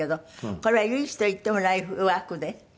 これは唯一と言ってもライフワークで？